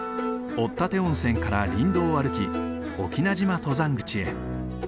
押立温泉から林道を歩き翁島登山口へ。